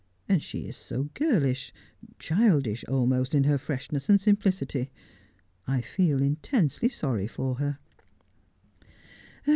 And she is so girlish — childish almost in her freshness and simplicity. I feel intensely sorry for her.'